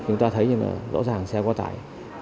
chúng ta thấy là rõ ràng xe quá tải